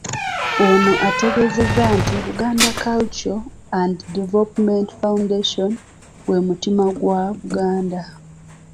Ono ategeezezza nti Buganda Cultural And Development Foundation. gwe mutima gwa Buganda.